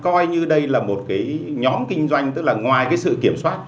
coi như đây là một nhóm kinh doanh tức là ngoài sự kiểm soát